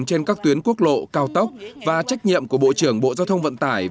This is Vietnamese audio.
trên các tuyến quốc lộ cao tốc và trách nhiệm của bộ trưởng bộ giao thông vận tải